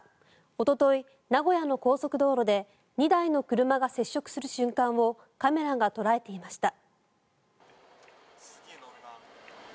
おととい、名古屋の高速道路で２台の車が接触する瞬間をカメラが捉えていました。